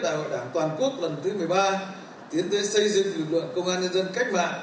đại hội đảng toàn quốc lần thứ một mươi ba tiến tới xây dựng lực lượng công an nhân dân cách mạng